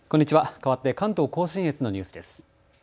かわって関東甲信越のニュースです。